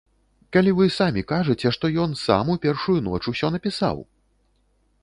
Калі вы самі кажаце, што ён сам у першую ноч усё напісаў?